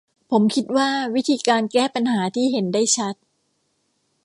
ผมคิดว่าวิธีการแก้ปัญหาที่เห็นได้ชัด